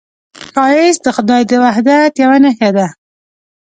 ښایست د خدای د وحدت یوه نښه ده